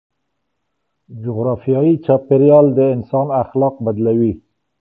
جغرافيايي چاپيريال د انسان اخلاق بدلوي.